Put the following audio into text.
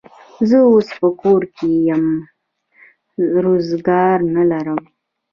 زه اوس په کور یمه، روزګار نه لرم.